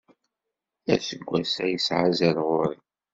Aseggas-a yesɛa azal ɣer-i.